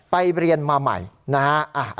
ไปเรียนมาใหม่นะฮะ